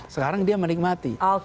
sekarang dia menikmati